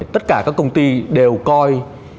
tất cả các công ty đều coi